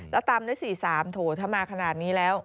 แล้วตามด้วย๔๓โถถ้ามาขนาดนี้แล้ว